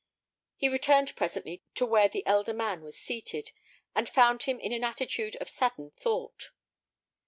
He returned presently to where the elder man was seated, and found him in an attitude of saddened thought.